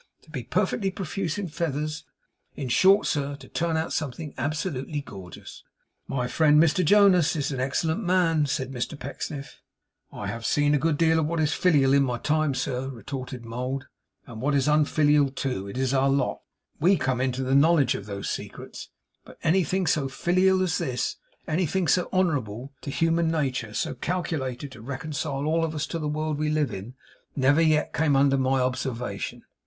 To be perfectly profuse in feathers. In short, sir, to turn out something absolutely gorgeous.' 'My friend Mr Jonas is an excellent man,' said Mr Pecksniff. 'I have seen a good deal of what is filial in my time, sir,' retorted Mould, 'and what is unfilial too. It is our lot. We come into the knowledge of those secrets. But anything so filial as this; anything so honourable to human nature; so calculated to reconcile all of us to the world we live in; never yet came under my observation.